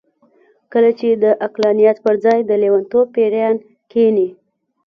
کله چې د عقلانيت پر ځای د لېونتوب پېريان کېني.